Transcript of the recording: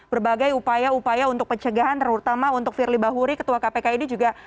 berbagai upaya upaya untuk pencegahan terutama untuk firly bahuri ketua kpk ini juga